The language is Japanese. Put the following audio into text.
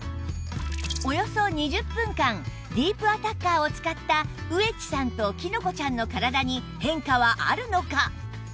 ディープアタッカーを使った上地さんときのこちゃんの体に変化はあるのか？